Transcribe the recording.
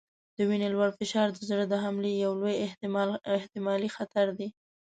د وینې لوړ فشار د زړه د حملې یو لوی احتمالي خطر دی.